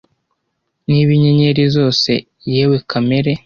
niba inyenyeri zose yewe kamere